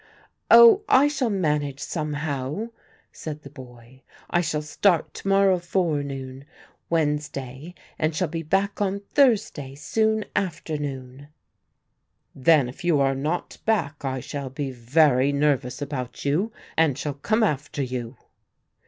"Oh! I shall manage somehow," said the boy. "I shall start to morrow forenoon, Wednesday, and shall be back on Thursday soon after noon." "Then if you are not back, I shall be very nervous about you and shall come after you."